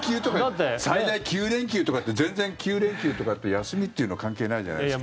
最大９連休とかって全然９連休とかって休みっていうの関係ないじゃないですか。